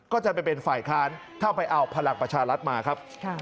ก็จะไปเป็นฝ่ายค้านถ้าไปเอาพลังประชารัฐมาครับ